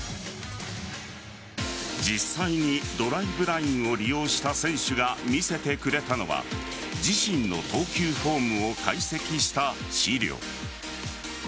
実際にドライブラインを利用した選手が見せてくれたのは自身の投球フォームを解析した資料。